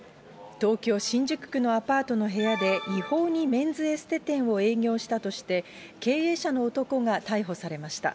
東京・新宿区のアパートの部屋で違法にメンズエステ店を営業したとして、経営者の男が逮捕されました。